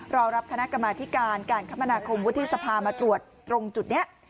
รอรับคณะกรรมาธิการการคมนาคมวุฒิสภามาตรวจตรงจุดนี้